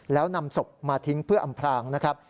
แล้วนำศพมาทิ้งเพื่ออำพรางนะครับ